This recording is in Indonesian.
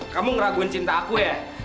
kamu ngeraguin cinta aku ya